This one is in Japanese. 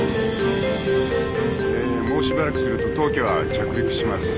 えーもうしばらくすると当機は着陸します。